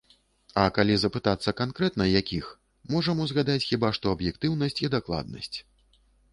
А калі запытацца канкрэтна якіх, можам узгадаць хіба што аб'ектыўнасць і дакладнасць.